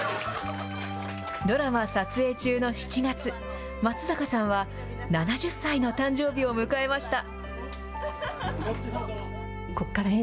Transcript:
ドラマ撮影中の７月、松坂さんは７０歳の誕生日を迎えました。